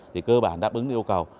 thì cơ bản đáp ứng yêu cầu